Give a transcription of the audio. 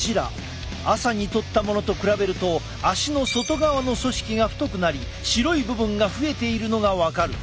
朝に撮ったものと比べると足の外側の組織が太くなり白い部分が増えているのが分かる。